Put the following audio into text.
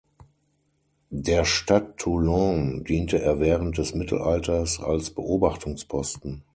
Der Stadt Toulon diente er während des Mittelalters als Beobachtungsposten.